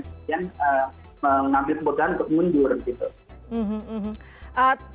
kemudian mengambil kebutuhan untuk mundur gitu